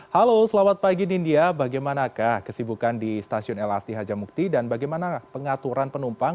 halo selamat pagi nindya bagaimanakah kesibukan di stasiun lrt hajamukti dan bagaimana pengaturan penumpang